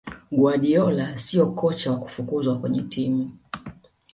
guardiola siyo kocha wa kufukuzwa kwenye timu